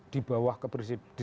di bawah ke presiden